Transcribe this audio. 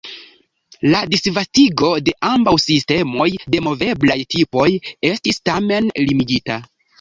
La disvastigo de ambaŭ sistemoj de moveblaj tipoj estis, tamen, limigita.